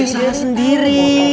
eh salah sendiri